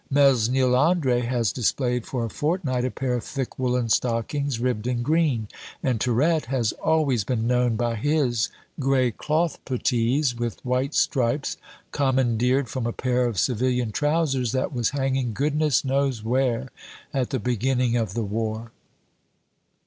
Mesnil Andre has displayed for a fortnight a pair of thick woolen stockings, ribbed and green; and Tirette has always been known by his gray cloth puttees with white stripes, commandeered from a pair of civilian trousers that was hanging goodness knows where at the beginning of the war.